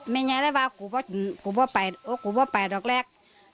มีไงแล้วว่ากูพอไปว่ากูพอไปหนักแรก